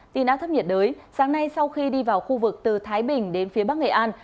tin áp thấp nhiệt đới sáng nay sau khi đi vào khu vực từ thái bình đến phía bắc nghệ an